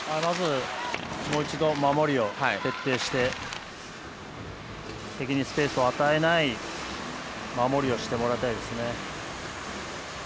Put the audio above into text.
まずもう一度守りを徹底して敵にスペースを与えない守りをしてもらいたいですね。